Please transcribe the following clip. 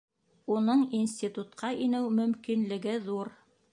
Уның институтҡа инеү мөмкинлеге ҙур